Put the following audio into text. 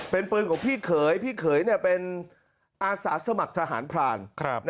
เป็นปืนของพี่เขยพี่เขยเป็นอาสาสมัครทหารพราน